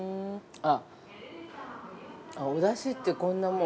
あっ、おだしってこんなもん。